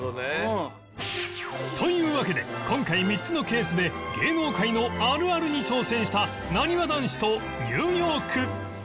というわけで今回３つのケースで芸能界のあるあるに挑戦したなにわ男子とニューヨーク